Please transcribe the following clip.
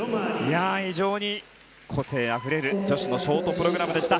非常に個性あふれる女子のショートプログラムでした。